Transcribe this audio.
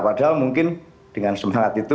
padahal mungkin dengan semangat itu